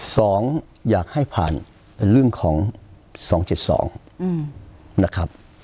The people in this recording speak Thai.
สองอยากให้ผ่านเรื่องของสองเจ็ดสองนะครับ